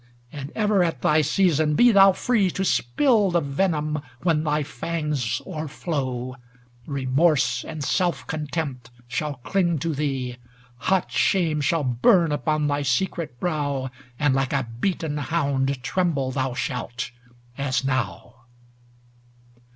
And ever at thy season be thou free To spill the venom when thy fangs o'er flow; Remorse and Self contempt shall cling to thee; Hot Shame shall burn upon thy secret brow, And like a beaten hound tremble thou shalt ŌĆö as now.